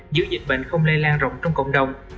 giữ dịch bệnh không lây lan rộng trong cộng đồng